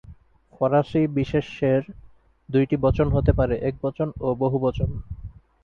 ফরাসি বিশেষ্যের দুইটি বচন হতে পারে: একবচন ও বহুবচন।